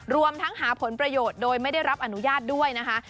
รวมทั้งหาผลประโยชน์โดยไม่ได้รับอนุญาตด้วยนะคะ